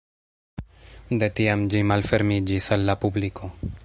De tiam ĝi malfermiĝis al la publiko.